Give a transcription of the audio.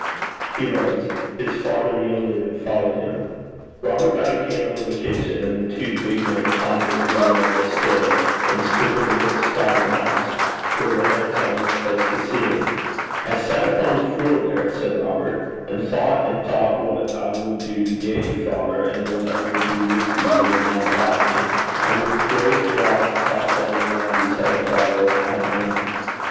He rose. His father yielded and followed him. Robert got a candle in the kitchen, and the two big men climbed the little narrow stair and stood in the little sky of the house, where their heads almost touched the ceiling. 'I sat upo' the flure there,' said Robert, 'an' thoucht and thoucht what I wad du to get ye, father, and what I wad du wi' ye whan I had gotten ye. I wad greit whiles, 'cause ither laddies had a father an' I had nane.